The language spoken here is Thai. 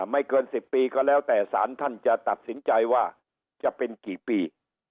ไม่เกิน๑๐ปีก็แล้วแต่สารท่านจะตัดสินใจว่าจะเป็นกี่ปี